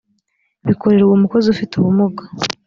bikorerwa umukozi ufite ubumuga